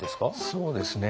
そうですね。